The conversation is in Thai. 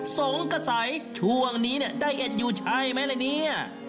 ทรงก็ใสช่วงนี้ได้เอ็ดอยู่ใช่ไหมละเนี่ย